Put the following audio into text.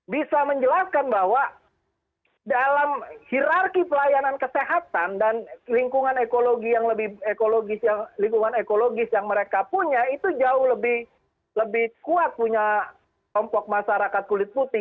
bisa menjelaskan bahwa dalam hirarki pelayanan kesehatan dan lingkungan ekologi yang lebih ekologis lingkungan ekologis yang mereka punya itu jauh lebih kuat punya kompok masyarakat kulit putih